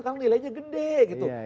cuma nilainya gede gitu